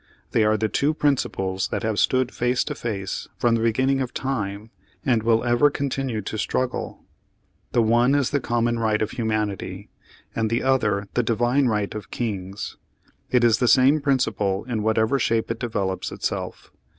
They are the two principles that have stood face to face from the beginning of time, and will ever continue to struggle. The one is the common right of humanity; and the other, the divine right of kings. It is the same principle in whatever shape it develops itself.